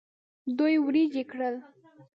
دوی وریجې کرل.